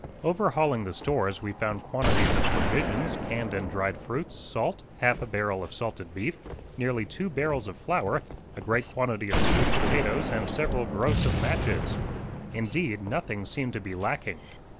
Overhauling the stores we found quantities of provisions, canned and dried fruits, salt, half a barrel of salted beef, nearly two barrels of flour, a great quantity of sweet potatoes and several gross of matches. Indeed, nothing seemed to be lacking.